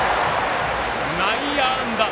内野安打。